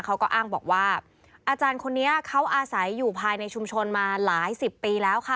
เขาก็อ้างบอกว่าอาจารย์คนนี้เขาอาศัยอยู่ภายในชุมชนมาหลายสิบปีแล้วค่ะ